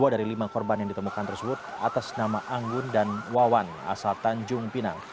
dua dari lima korban yang ditemukan tersebut atas nama anggun dan wawan asal tanjung pinang